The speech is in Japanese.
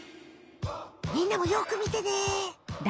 みんなもよく見てね。